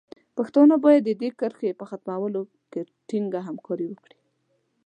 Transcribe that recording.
پښتانه باید د دې کرښې په ختمولو کې ټینګه همکاري وکړي.